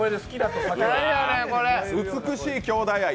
美しい兄弟愛！